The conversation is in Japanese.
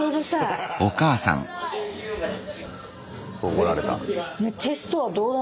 怒られた。